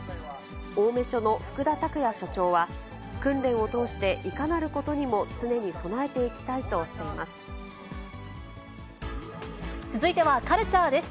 青梅署の福田託也署長は、訓練を通して、いかなることにも常に備続いてはカルチャーです。